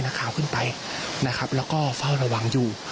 และก็คือว่าถึงแม้วันนี้จะพบรอยเท้าเสียแป้งจริงไหม